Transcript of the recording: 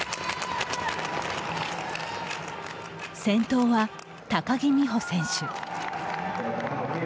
先頭は、高木美帆選手。